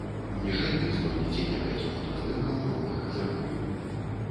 Ніжэй вы знойдзеце некалькі фотаздымкаў новых казыркоў.